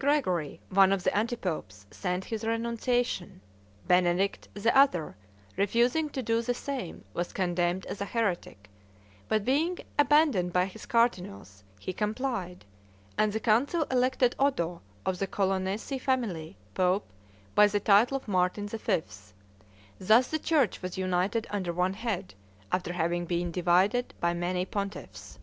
Gregory, one of the anti popes, sent his renunciation; Benedict, the other, refusing to do the same, was condemned as a heretic; but, being abandoned by his cardinals, he complied, and the council elected Oddo, of the Colonnesi family, pope, by the title of Martin V. Thus the church was united under one head, after having been divided by many pontiffs.